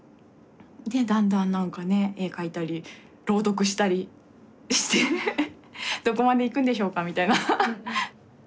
でだんだん何かね絵描いたり朗読したりしてどこまで行くんでしょうかみたいな。